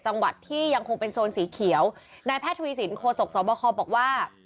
จังหวัดที่ยังคงเป็นโซนสีเขียวนายแพทย์ทวีสินโคศกสวบคบอกว่า